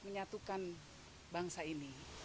menyatukan bangsa ini